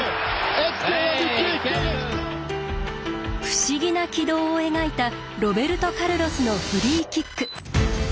不思議な軌道を描いたロベルト・カルロスのフリーキック。